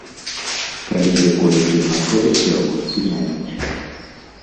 Калі дзе-колечы знаходзяць яго, спыняюць.